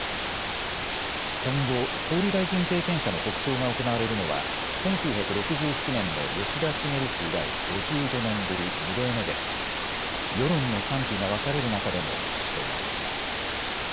戦後、総理大臣経験者の国葬が行われるのは、１９６７年の吉田茂氏以来５５年ぶり、２例目で、世論の賛否が分かれる中での実施となりました。